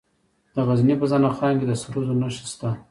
د غزني په زنه خان کې د سرو زرو نښې شته.